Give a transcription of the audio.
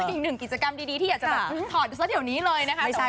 อีกหนึ่งกิจกรรมดีที่อยากจะแบบถอดซะเดี๋ยวนี้เลยนะคะ